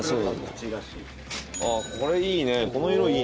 これいいね。